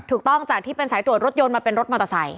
ถูกต้องจากที่เป็นสายตรวจรถยนต์มาเป็นรถมอเตอร์ไซค